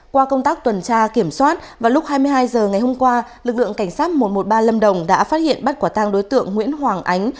qua công tác tuần tra kiểm soát vào lúc hai mươi hai h ngày hôm qua lực lượng cảnh sát một trăm một mươi ba lâm đồng đã phát hiện bắt quả tăng đối tượng nguyễn hoàng ánh